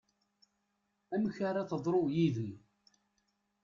Amek ara teḍru yid-m?